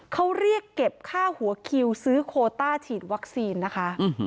เขาเรียกเก็บค่าหัวคิวซื้อโคต้าฉีดวัคซีนนะคะ